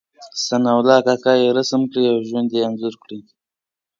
ثناء الله کاکا يې رسم کړی او ژوند یې انځور کړی.